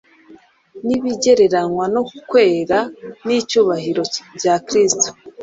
n’ibigereranywa no kwera n’icyubahiro bya Kristo,